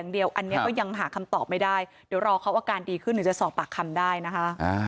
เดี๋ยวรอเค้าอาการดีขึ้นอีกหนึ่งจะสอกปากคำได้นะคะ